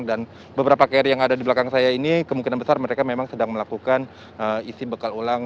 dan beberapa kri yang ada di belakang saya ini kemungkinan besar mereka memang sedang melakukan isi bekal ulang